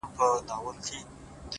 انسانه واه واه نو!! قتل و قتال دي وکړ!!